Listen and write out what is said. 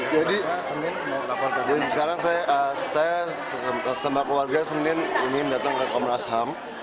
jadi sekarang saya saya sama keluarga senin ingin datang ke komnas ham